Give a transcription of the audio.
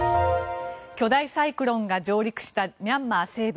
巨大サイクロンが上陸したミャンマー西部。